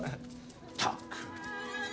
・ったく。